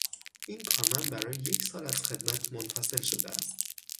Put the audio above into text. این کارمند برای یکسال از خدمت منفصل شده است.